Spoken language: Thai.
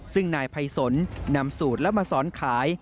ซึ่งนายภัยสนนำสูตรและมาสอนขาย